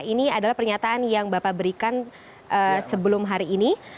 ini adalah pernyataan yang bapak berikan sebelum hari ini